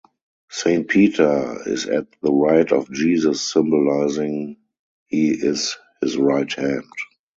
Saint Peter is at the right of Jesus symbolizing he is his right hand.